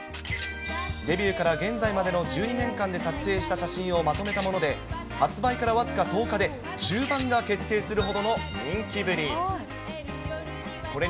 デビューから現在までの１２年間で撮影した写真をまとめたもので、発売から僅か１０日で重版が決定するほどの人気ぶり。